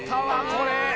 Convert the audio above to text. これ。